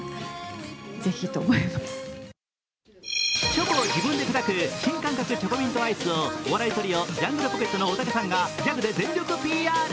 チョコを自分で砕く新感覚チョコミントアイスをお笑いトリオ、ジャングルポケットのおたけさんがギャグで全力ＰＲ。